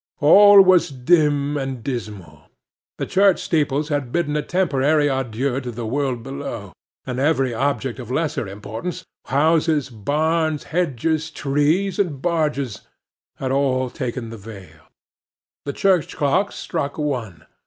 All was dim and dismal. The church steeples had bidden a temporary adieu to the world below; and every object of lesser importance—houses, barns, hedges, trees, and barges—had all taken the veil. The church clock struck one.